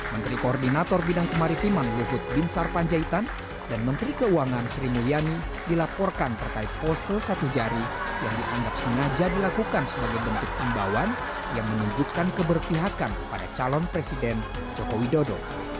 menteri koordinator bidang kemaritiman luhut binsar panjaitan dan menteri keuangan sri mulyani dilaporkan terkait pose satu jari yang dianggap sengaja dilakukan sebagai bentuk imbauan yang menunjukkan keberpihakan pada calon presiden joko widodo